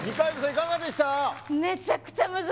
いかがでした？